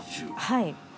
はい。